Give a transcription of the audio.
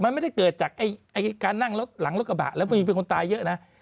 มันไม่ได้เกิดจากการนั่งรถหลังรถกระบะแล้วมีคนตายเยอะนะ